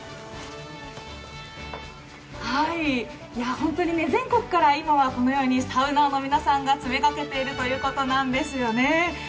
本当に、全国からこのようにサウナーの皆さんが詰めかけているということなんですよね。